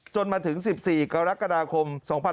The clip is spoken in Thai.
จนถึง๑๔กรกฎาคม๒๕๖๒